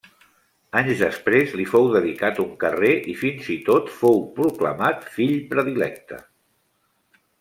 Anys després li fou dedicat un carrer i fins i tot fou proclamat Fill Predilecte.